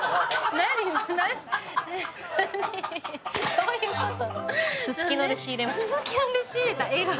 どういうこと？